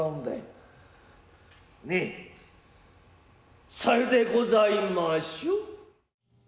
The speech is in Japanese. ねえ左様でございましょう。